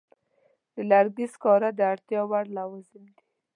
د لرګي سکاره د اړتیا وړ لوازم دي.